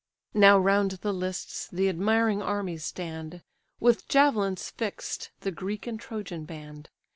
Now round the lists the admiring armies stand, With javelins fix'd, the Greek and Trojan band.